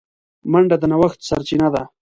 منډه د نوښت سرچینه ده